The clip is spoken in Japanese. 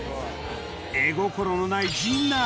絵心のない陣内